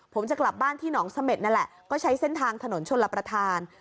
ผมจะกลับบ้านที่หนองเสม็ดนั่นแหละก็ใช้เส้นทางถนนชนลประธาน